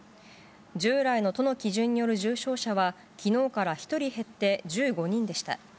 従来の都の基準による重症者は、きのうから１人減って１５人でした。